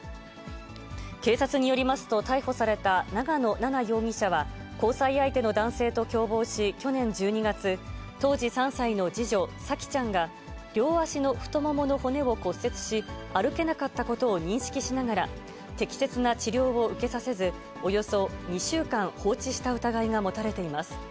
警察によりますと、逮捕された長野奈々容疑者は、交際相手の男性と共謀し、去年１２月、当時３歳の次女、沙季ちゃんが両足の太ももの骨を骨折し、歩けなかったことを認識しながら、適切な治療を受けさせず、およそ２週間放置した疑いが持たれています。